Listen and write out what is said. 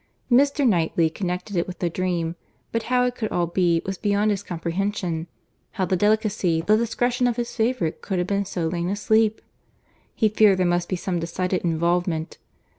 Mr. Knightley connected it with the dream; but how it could all be, was beyond his comprehension. How the delicacy, the discretion of his favourite could have been so lain asleep! He feared there must be some decided involvement.